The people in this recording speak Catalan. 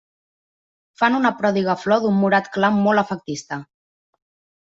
Fan una pròdiga flor d'un morat clar molt efectista.